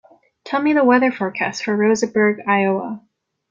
Tell me the weather forecast for Roseburg, Iowa